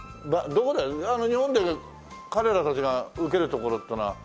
日本で彼らたちが受けるところっていうのは大体。